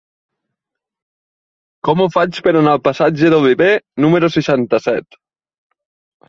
Com ho faig per anar al passatge d'Olivé número seixanta-set?